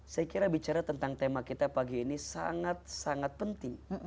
saya kira bicara tentang tema kita pagi ini sangat sangat penting